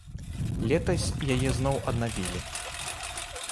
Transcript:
Летась яе зноў аднавілі.